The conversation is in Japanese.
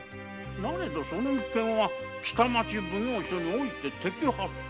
なれどその一件は北町奉行所において摘発。